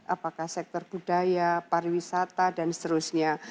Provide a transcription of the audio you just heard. apakah sektor budaya pariwisata dan seterusnya